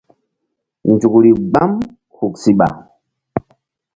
Nzukri gbam huk siɓa.